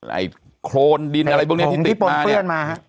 ไอ้โครนดินอะไรพวกนี้ที่ติดมาเนี่ย